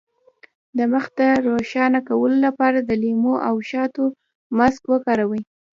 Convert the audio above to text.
د مخ د روښانه کولو لپاره د لیمو او شاتو ماسک وکاروئ